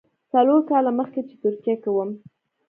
څلور کاله مخکې چې ترکیه کې وم.